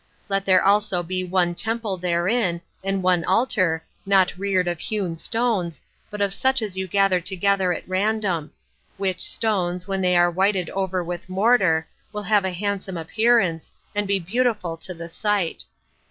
Let there also be one temple therein, and one altar, not reared of hewn stones, but of such as you gather together at random; which stones, when they are whited over with mortar, will have a handsome appearance, and be beautiful to the sight.